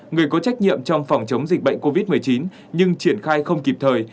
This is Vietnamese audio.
một mươi sáu người có trách nhiệm trong phòng chống dịch bệnh covid một mươi chín nhưng triển khai không kịp thời